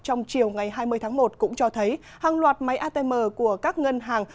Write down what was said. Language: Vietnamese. trong chiều ngày hai mươi tháng một cũng cho thấy hàng loạt máy atm của các ngân hàng